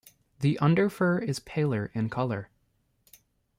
The underfur is paler in color.